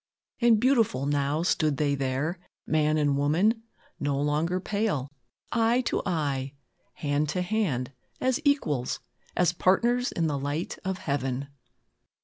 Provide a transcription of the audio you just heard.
"And beautiful now stood they there, man and woman; no longer pale; eye to eye, hand to hand, as equals, as partners in the light of heaven."